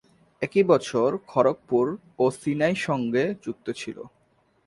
একই বছরে খড়গপুর ও সিনাই সঙ্গে যুক্ত ছিল।